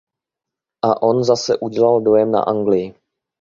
A on zase udělal dojem na Anglii.